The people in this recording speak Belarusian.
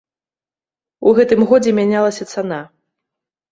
У гэтым годзе мянялася цана.